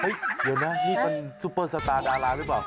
เดี๋ยวนะนี่มันซุปเปอร์สตาร์ดาราหรือเปล่า